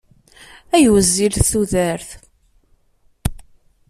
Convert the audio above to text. Ay wezzilet tudert!